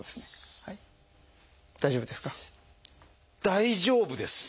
大丈夫ですか？